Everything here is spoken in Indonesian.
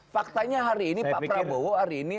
faktanya hari ini pak prabowo hari ini